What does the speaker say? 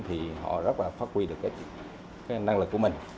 thì họ rất phát huy được năng lực của mình